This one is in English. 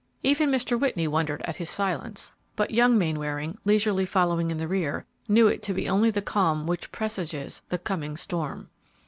Even Mr. Whitney wondered at his silence, but young Mainwaring, leisurely following in the rear, knew it to be only the calm which presages the coming storm.